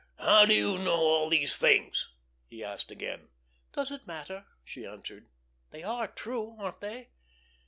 "How do you know all these things?" he asked again. "Does it matter?" she answered. "They are true, aren't they?"